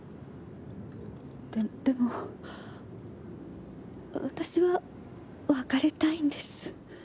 でもわたしは別れたいんです。